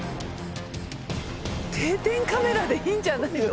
定点カメラでいいんじゃないの？